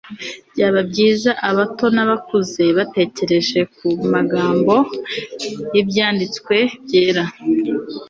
byaba byiza abato n'abakuze batekereje ku magambo y'ibyanditswe byera